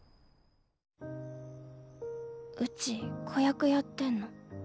うち子役やってんの。